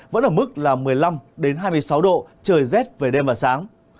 vẫn ở mức là một mươi năm hai mươi sáu độ trời rét về đêm và sáng